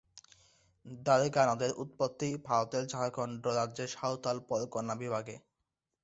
দ্বারকা নদের উৎপত্তি ভারতের ঝাড়খণ্ড রাজ্যের সাঁওতাল পরগনা বিভাগে।